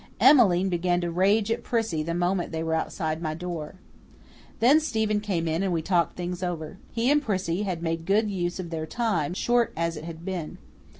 Emmeline began to rage at Prissy the moment they were outside my door. Then Stephen came in and we talked things over. He and Prissy had made good use of their time, short as it had been.